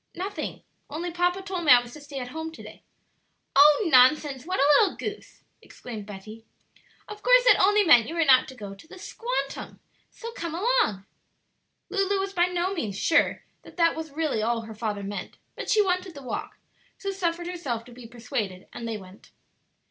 "Nothing; only papa told me I was to stay at home to day." "Oh, nonsense! what a little goose!" exclaimed Betty; "of course that only meant you were not to go to the 'squantum'; so come along." Lulu was by no means sure that that was really all her father meant, but she wanted the walk, so suffered herself to be persuaded, and they went.